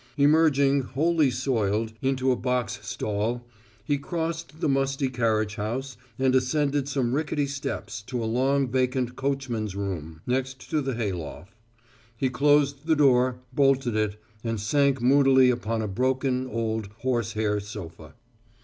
Emerging, wholly soiled, into a box stall, he crossed the musty carriage house and ascended some rickety steps to a long vacant coachman's room, next to the hayloft. He closed the door, bolted it, and sank moodily upon a broken, old horsehair sofa.